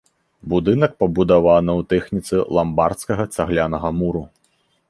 Будынак пабудавана ў тэхніцы ламбардскага цаглянага муру.